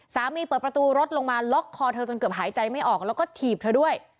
เปิดประตูรถลงมาล็อกคอเธอจนเกือบหายใจไม่ออกแล้วก็ถีบเธอด้วย